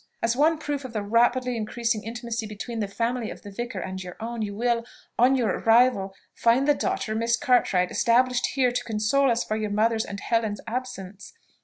"As one proof of the rapidly increasing intimacy between the family of the vicar and your own, you will, on your arrival, find the daughter, Miss Cartwright, established here to console us for your mother's (and Helen's!) absence.